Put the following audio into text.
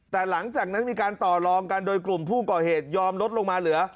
แต่หลังจากนั้นมีการต่อลองกันโดยกลุ่มผู้ก่อเหตุยอมลดลงมาเหลือ